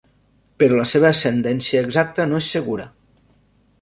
Però la seva ascendència exacta no és segura.